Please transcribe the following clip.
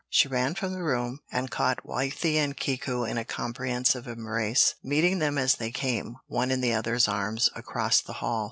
She ran from the room, and caught Wythie and Kiku in a comprehensive embrace, meeting them as they came, one in the other's arms, across the hall.